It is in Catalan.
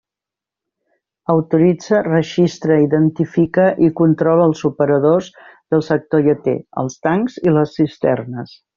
Autoritza, registra, identifica i controla els operadors del sector lleter, els tancs i les cisternes.